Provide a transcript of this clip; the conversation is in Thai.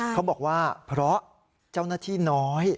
เขาบอกว่าเพราะเจ้าหน้าที่น้อย